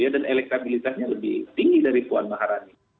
dan elektabilitasnya lebih tinggi dari puan maharani